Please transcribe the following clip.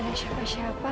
tidak ada siapa siapa